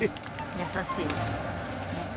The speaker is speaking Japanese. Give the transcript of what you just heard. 優しい。